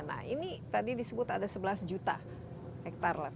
nah ini tadi disebut ada sebelas juta hektare lah